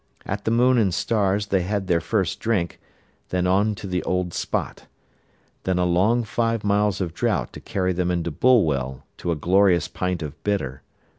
At the Moon and Stars they had their first drink, then on to the Old Spot. Then a long five miles of drought to carry them into Bulwell to a glorious pint of bitter.